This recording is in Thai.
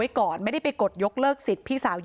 พี่สาวบอกว่าไม่ได้ไปกดยกเลิกรับสิทธิ์นี้ทำไม